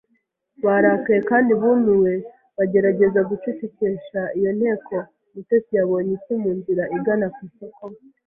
Barakaye kandi bumiwe, bagerageza gucecekesha iyo nteko Mutesi yabonye iki munzira igana kwisoko